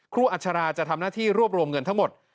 อัชราจะทำหน้าที่รวบรวมเงินทั้งหมด